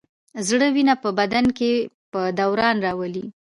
زړه وینه په بدن کې په دوران راولي.